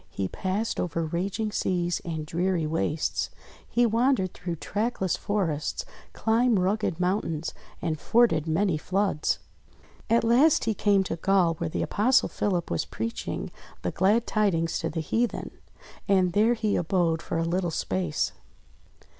He passed over raging seas and dreary wastes, he wandered through trackless forests, climbed rugged moun tains, and forded many floods. At last he came to Gaul where the Apostle Philip was preaching the glad tidings to the heathen. And there he abode for a little space.